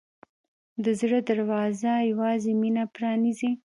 د زړه دروازه یوازې مینه پرانیزي.